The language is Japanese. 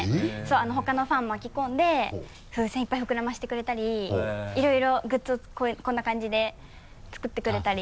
ほかのファン巻き込んで風船いっぱい膨らませてくれたりいろいろグッズをこんな感じで作ってくれたり。